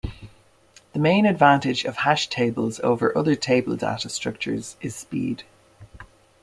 The main advantage of hash tables over other table data structures is speed.